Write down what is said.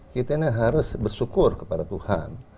kita ini harus bersyukur kepada tuhan